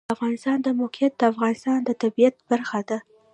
د افغانستان د موقعیت د افغانستان د طبیعت برخه ده.